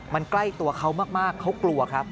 มันใกล้ตัวเขามากเขากลัวครับ